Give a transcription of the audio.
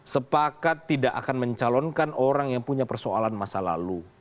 sepakat tidak akan mencalonkan orang yang punya persoalan masa lalu